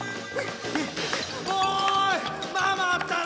おいママったら！